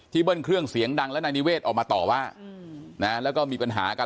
เบิ้ลเครื่องเสียงดังแล้วนายนิเวศออกมาต่อว่านะแล้วก็มีปัญหากัน